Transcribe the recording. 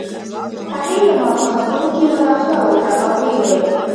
هغې زما په خبرو کې مداخله وکړه او وویې ویل